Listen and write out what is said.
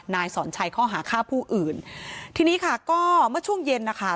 นายสอนชัยข้อหาฆ่าผู้อื่นทีนี้ค่ะก็เมื่อช่วงเย็นนะคะ